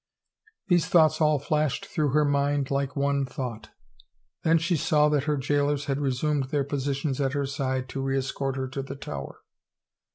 These thoughts all flashed through her mind like one thought ; then she saw that her jailers had resumed their positions at her side to reescort her to the Tower.